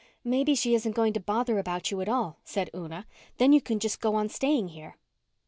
"Maybe she isn't going to bother about you at all," said Una. "Then you can just go on staying here."